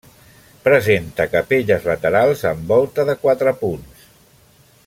Presenta capelles laterals amb volta de quatre punts.